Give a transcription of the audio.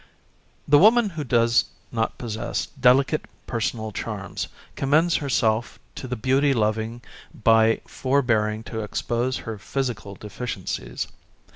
The women who does not possess delicate personal charms commends herself to the beauty loving by forbearing to expose her physical deficiencies.